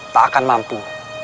tak akan mampu